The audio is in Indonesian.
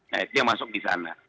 nah itu yang masuk di sana